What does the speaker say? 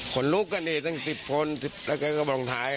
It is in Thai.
ขนลูกก็ดิเจ้ง๑๐คนที่มาแล้วก็บองท้าย